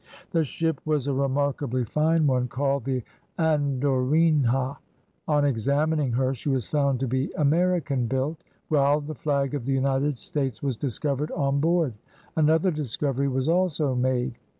The ship was a remarkably fine one, called the Andorinha. On examining her she was found to be American built, while the flag of the United States was discovered on board. Another discovery was also made.